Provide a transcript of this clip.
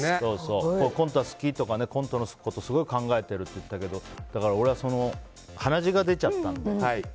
コントが好きだとかコントのことすごい考えてるって言ってたけど俺は鼻血が出ちゃったので。